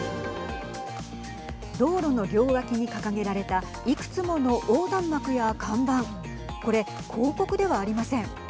道路の両脇に掲げられたいくつもの横断幕や看板これ広告ではありません。